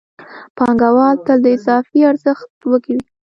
پانګوال تل د اضافي ارزښت وږی وي